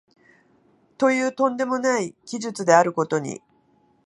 という飛んでもない奇術であることに、